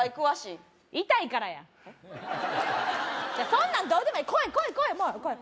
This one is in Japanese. いたいからやそんなんどうでもええ来い来い来い